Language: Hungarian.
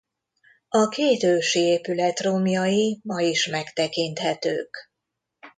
A két ősi épület romjai ma is megtekinthetők.